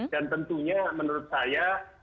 dan tentunya menurut saya